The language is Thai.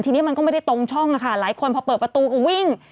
ทีนี้มันก็ไม่ได้ตรงช่องอะค่ะหลายคนพอเปิดประตูก็วิ่ง